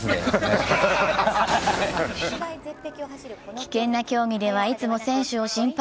危険な競技ではいつも選手を心配。